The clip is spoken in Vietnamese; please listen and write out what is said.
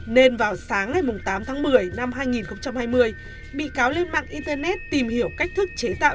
nên vào sáng ngày tám tháng một mươi năm hai nghìn hai mươi bị cáo lên mạng internet tìm hiểu cách thức chế tạo